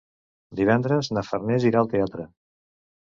Divendres na Farners irà al teatre.